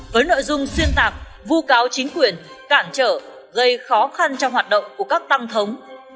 với nội dung xuyên tạc vu cáo chính quyền cản trở gây khó khăn trong hoạt động của các tăng thống